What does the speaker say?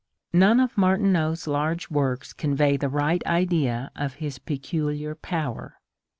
None of Martineau's large works convey the right idea of his peculiar power.